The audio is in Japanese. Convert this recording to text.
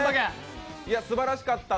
すばらしかった。